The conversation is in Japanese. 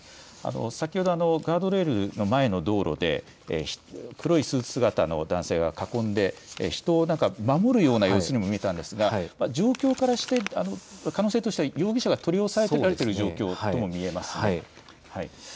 先ほどガードレールの前の道路で黒いスーツ姿の男性が囲んで人を守るような様子も見えたんですが、状況からして可能性としては容疑者が取り押さえられている状況とも見えます。